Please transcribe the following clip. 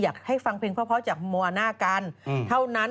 อยากให้ฟังเพลงพ่อจากมัวหน้ากันเท่านั้น